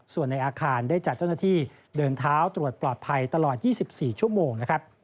ส่วนในอาคารได้จัดเจ้าหน้าที่เดินเท้าตรวจปลอดภัยตลอด๒๔ชั่วโมงนะครับ